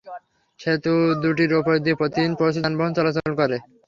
সেতু দুটির ওপর দিয়ে প্রতিদিন প্রচুর যানবাহন চলাচল করে।